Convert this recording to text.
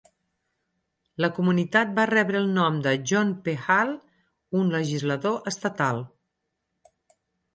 La comunitat va rebre el nom de John P. Hale, un legislador estatal.